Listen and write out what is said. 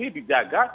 tidak di jaga